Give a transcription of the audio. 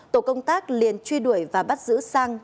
tổ công tác liền truy đuổi và bắt giữ sang